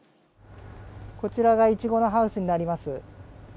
こちらがイチゴのハウスになります。